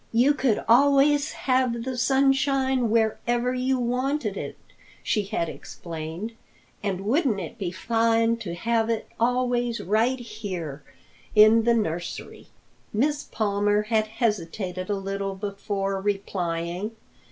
"You could always have the sunshine wherever you wanted it," she had explained. "And wouldn't it be fine to have it always right here in the nursery?" Miss Palmer had hesitated a little before replying.